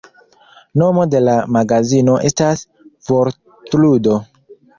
Nomo de la magazino estas vortludo.